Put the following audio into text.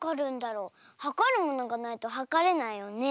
はかるものがないとはかれないよね。